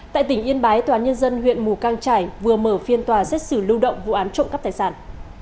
tại tỉnh yên bái tòa nhân dân huyện mù căng trải vừa mở phiên tòa xét xử lưu động vụ án trộm cắp tài sản